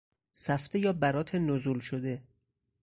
سفته یا برات نزول شده